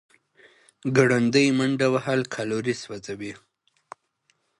ګړندۍ منډه وهل کالوري سوځوي.